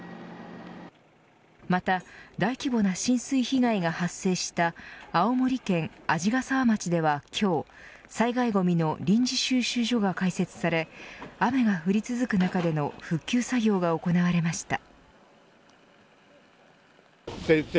また大規模な浸水被害が発生した青森県鰺ヶ沢町では今日、災害ごみの臨時収集所が開設され雨が降り続く中での復旧作業が行われました。